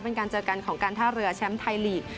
เป็นการเจอกันของการท่าเรือแชมป์ไทยลีก